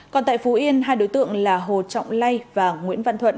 còn tại phú yên hai đối tượng là hồ trọng lây và nguyễn văn thuận